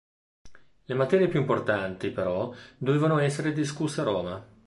Le materie più importanti, però, dovevano essere discusse a Roma.